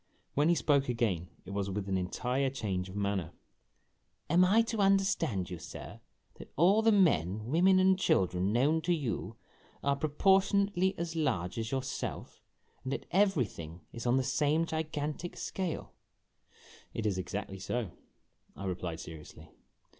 When he spoke again it was with an entire change of manner. A LOST OPPORTUNITY 73 " Am I to understand you, sir, that all the men, women, and children known to you are proportionately as large as yourself, and that everything is on the same gigantic scale ?" "It is exactly so," I replied seriously.